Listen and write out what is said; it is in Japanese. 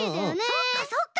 そっかそっか！